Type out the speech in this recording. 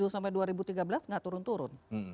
tujuh sampai dua ribu tiga belas nggak turun turun